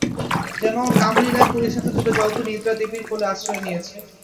যেন কামলীলায় পরিশ্রান্ত দুটো জলপরী নিদ্রা-দেবীর কোলে আশ্রয় নিয়েছে।